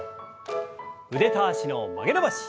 腕と脚の曲げ伸ばし。